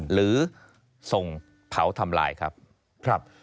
หรือส่งเผาทำลายครับ